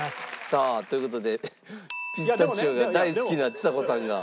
さあという事でピスタチオが大好きなちさ子さんが。